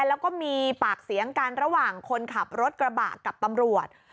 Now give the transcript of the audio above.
แล้วก็มีปากเสียงกันระหว่างคนขับรถกระบะกับตำรวจ